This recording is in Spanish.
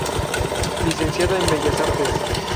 Licenciada en Bellas Artes.